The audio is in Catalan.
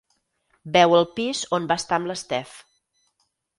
Veu el pis on va estar amb l'Steph.